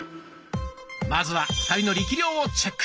まずは２人の力量をチェック！